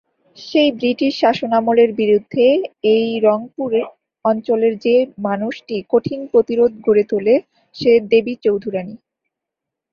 সেই ব্রিটিশ শাসনামলের বিরুদ্ধে এই রংপুর অঞ্চলের যে মানুষটি কঠিন প্রতিরোধ গড়ে তোলে সে দেবী চৌধুরাণী।